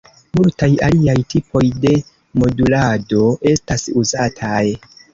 Multaj aliaj tipoj de modulado estas uzataj.